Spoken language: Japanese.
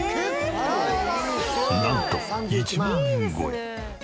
なんと１万円超え！